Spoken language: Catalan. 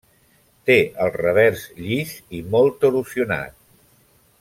Té el revers llis i molt erosionat.